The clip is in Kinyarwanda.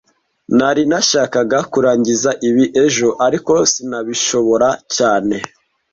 Nari nashakaga kurangiza ibi ejo, ariko sinabishobora cyane